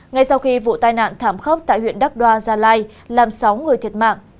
ngay sau khi vụ tai nạn thảm khốc tại huyện đắk đoa gia lai làm sáu người thiệt mạng